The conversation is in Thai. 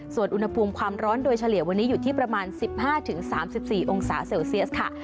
ส่วนอุณหภูมิความร้อนโดยเฉลี่ยวันนี้อยู่ที่ประมาณ๑๕๓๔องศาเซลเซียสค่ะ